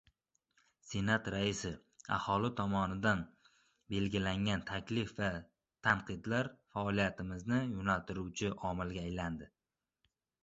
Senat raisi: Aholi tomonidan bildirilgan taklif va tanqidlar faoliyatimizni yo‘naltiruvchi omilga aylandi